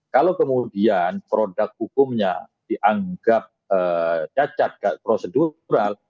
kalau kemudian produk hukumnya dianggap cacat prosedural